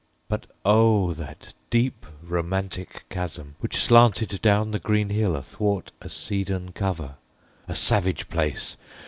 But oh! that deep romantic chasm which slanted Down the green hill athwart a cedarn cover! A savage place!